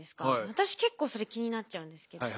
私結構それ気になっちゃうんですけど。